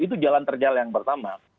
itu jalan terjal yang pertama